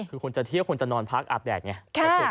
คือคนจะเที่ยวคนจะนอนพักอาบแดดไง